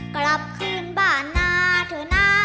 กลับคืนบ้านหน้าเถอะนะ